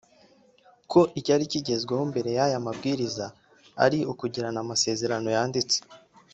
ko icyari kigezweho mbere y’aya mabwiriza ari ukugirana amasezerano yanditse